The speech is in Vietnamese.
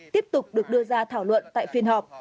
tiếp tục được đưa ra thảo luận tại phiên họp